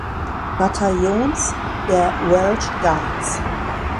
Bataillons der "Welsh Guards".